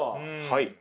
はい。